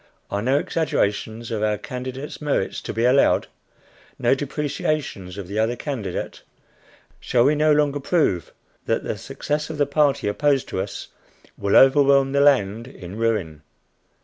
are no exaggerations of our candidate's merits to be allowed? no depreciations of the other candidate? Shall we no longer prove that the success of the party opposed to us will overwhelm the land in ruin?